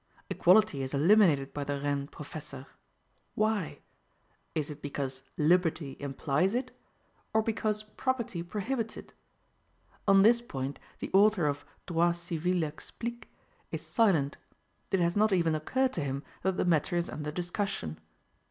Equality is eliminated by the Rennes professor; why? Is it because LIBERTY implies it, or because property prohibits it? On this point the author of "Droit Civil Explique" is silent: it has not even occurred to him that the matter is under discussion.